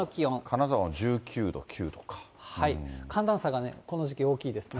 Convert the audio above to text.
金沢１９度、寒暖差がこの時期大きいですね。